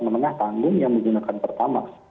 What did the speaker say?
menengah tanggung yang menggunakan pertamax